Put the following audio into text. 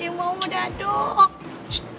ada yang mau mau daduk